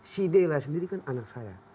si dela sendiri kan anak saya